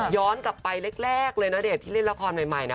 ย้อนกลับไปแรกเลยณเดชน์ที่เล่นละครใหม่นะ